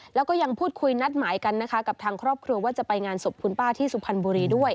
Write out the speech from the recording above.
แล้วก็ยังพูดคุยนัดหมายกันนะคะกับทางครอบครัวว่าจะไปงานศพคุณป้าที่สุพรรณบุรีด้วย